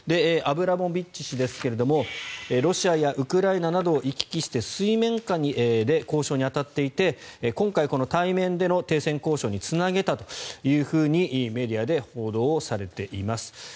アブラモビッチ氏ですがロシアやウクライナなどを行き来して水面下で交渉に当たっていて今回、対面での停戦交渉につなげたとメディアで報道されています。